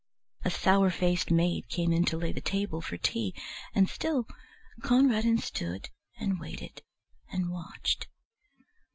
A sour faced maid came in to lay the table for tea, and still Conradin stood and waited and watched.